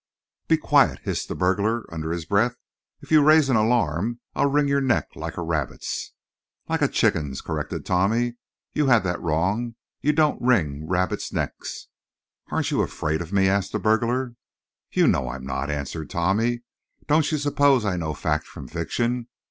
"Be quiet," hissed the burglar, under his breath. "If you raise an alarm I'll wring your neck like a rabbit's." "Like a chicken's," corrected Tommy. "You had that wrong. You don't wring rabbits' necks." "Aren't you afraid of me?" asked the burglar. "You know I'm not," answered Tommy. "Don't you suppose I know fact from fiction.